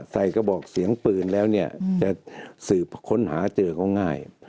กระบอกเสียงปืนแล้วเนี่ยจะสืบค้นหาเจอก็ง่าย